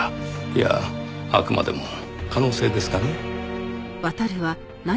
いやあくまでも可能性ですがね。